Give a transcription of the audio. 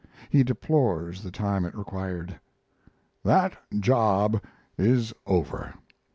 He deplores the time it required: That job is over.